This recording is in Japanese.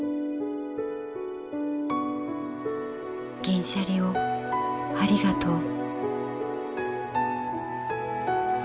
ギンシャリをありがとう」。